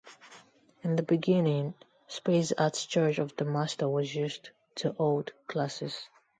In the beginning, space at Church of the Master was used to hold classes.